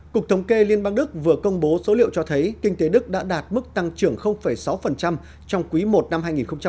cục thống kê liên bang đức vừa công bố số liệu cho thấy kinh tế đức đã đạt mức tăng trưởng sáu trong quý i năm hai nghìn hai mươi